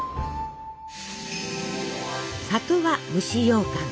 「里」は蒸しようかん。